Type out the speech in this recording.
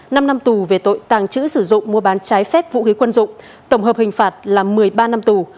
năm năm tù về tội tàng trữ sử dụng mua bán trái phép vũ khí quân dụng tổng hợp hình phạt là một mươi ba năm tù